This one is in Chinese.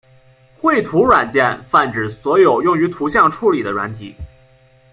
绘图软件泛指所有用于图像处理的软体。